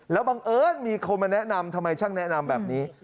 แล้วบังเอิญมีคนมาแนะนำทำไมช่างแนะนำแบบนี้